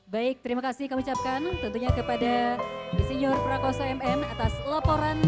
baik terima kasih kami ucapkan tentunya kepada profesor sundayor fegerayorkoso satas laporan yang telah disampaikan pada siang hari ini